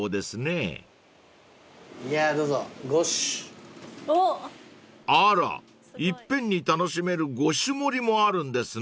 ［あらいっぺんに楽しめる５種盛りもあるんですね］